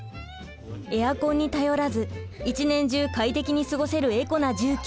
エアコンに頼らず一年中快適に過ごせるエコな住居。